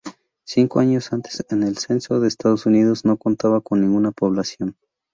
Cinco años antes, en el Censo de Estados Unidos, no contaba con ninguna población.